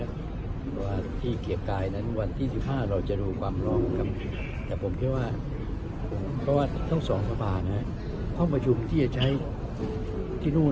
เพราะว่าที่เกรียบกายนั้นวันที่๑๕เราจะดูความลองแต่ผมเชื่อว่าเพราะว่าเท่า๒สำบัติร้องประชุมที่จะใช้ที่นู่น